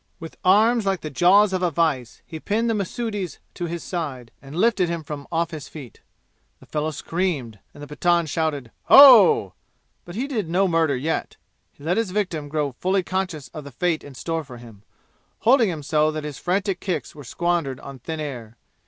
With arms like the jaws of a vise he pinned the Mahsudi's to his side, and lifted him from off his feet. The fellow screamed, and the Pathan shouted "Ho!" But he did no murder yet. He let his victim grow fully conscious of the fate in store for him, holding him so that his frantic kicks were squandered on thin air.